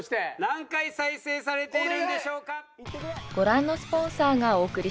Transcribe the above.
何回再生されているんでしょうか。